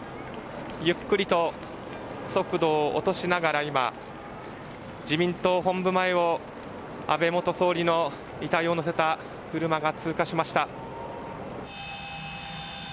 ゆっくりと、速度を落としながら今、自民党本部前を安倍元総理の遺体を乗せた車が通過しました。